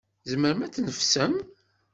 Tzemrem ad tneffsem?